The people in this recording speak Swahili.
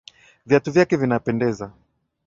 Viatu vyake vinapendeza